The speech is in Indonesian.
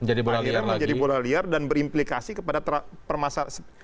akhirnya menjadi bola liar dan berimplikasi kepada permasalahan